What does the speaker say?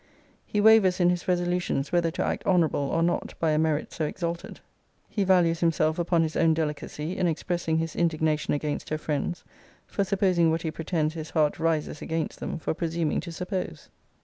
He wavers in his resolutions whether to act honourable or not by a merit so exalted. He values himself upon his own delicacy, in expressing his indignation against her friends, for supposing what he pretends his heart rises against them for presuming to suppose.